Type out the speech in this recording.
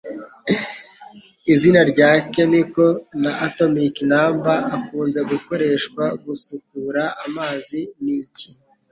Izina rya chemical na Atomic Number akunze gukoreshwa gusukura amazi ni iki?